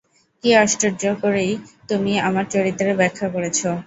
কী আশ্চর্য করেই তুমি আমার চরিত্রের ব্যাখ্যা করেছ।